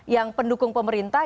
yang pendukung pemerintah